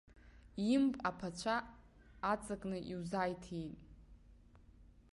Имп аԥацәа аҵакны иузааиҭиип!